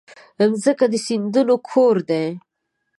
مځکه د سیندونو کور ده.